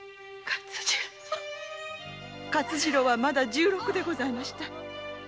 勝次郎はまだ十六でございました。